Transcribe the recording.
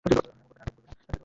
আর এমন করবে না।